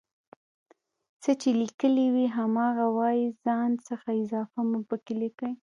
څه چې ليکلي وي هماغه وايئ ځان څخه اضافه مه پکې کوئ